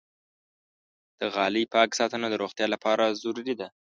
د غالۍ پاک ساتنه د روغتیا لپاره ضروري ده.